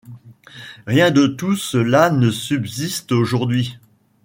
Rien de tout cela ne subsiste aujourd’hui.